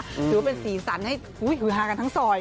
ถือว่าเป็นสีสันให้ฮือฮากันทั้งซอย